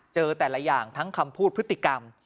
เจอแต่ละอย่างทั้งคำพูดพฤติกรรม